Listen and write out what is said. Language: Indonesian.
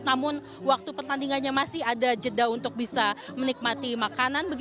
namun waktu pertandingannya masih ada jeda untuk bisa menikmati makanan